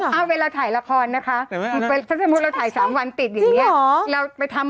เรารำคาญแก่ถ้านอนความเราทำอย่างนี้ค่ะ